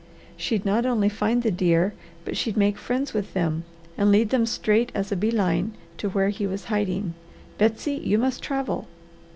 She'd not only find the deer, but she'd make friends with them and lead them straight as a bee line to where he was hiding. Betsy, you must travel!"